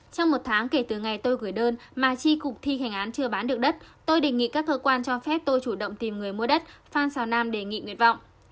trong một tháng kể từ ngày tôi gửi đơn mà chi cục thi hành án chưa bán được đất tôi đề nghị các cơ quan cho phép tôi chủ động tìm người mua đất phan xào nam đề nghị nguyện vọng